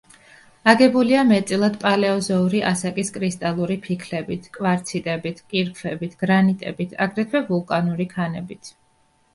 აგებულია მეტწილად პალეოზოური ასაკის კრისტალური ფიქლებით, კვარციტებით, კირქვებით, გრანიტებით, აგრეთვე ვულკანური ქანებით.